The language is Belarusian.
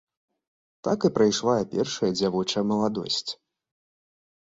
Так і прайшла першая дзявочая маладосць.